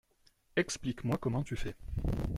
Explique-moi comment tu fais.